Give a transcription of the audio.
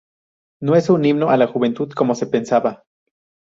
No es un himno a la juventud, como se pensaba.